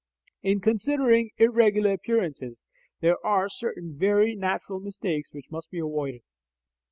In considering irregular appearances, there are certain very natural mistakes which must be avoided.